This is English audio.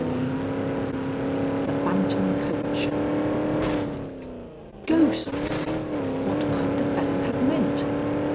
XII THE PHANTOM COACH Ghosts! What could the fellow have meant?